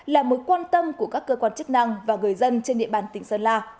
là mối quan tâm của các cơ quan chức năng và người dân trên địa bàn tỉnh sơn la